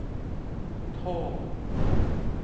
โธ่